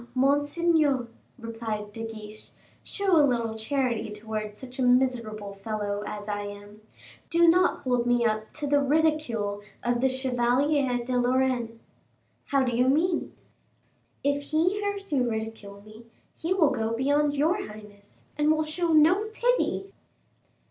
monseigneur," replied De Guiche, "show a little charity towards such a miserable fellow as I am: do not hold me up to the ridicule of the Chevalier de Lorraine." "How do you mean?" "If he hears you ridicule me, he will go beyond your highness, and will show no pity."